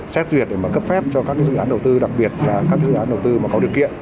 xét duyệt để mà cấp phép cho các dự án đầu tư đặc biệt là các dự án đầu tư mà có điều kiện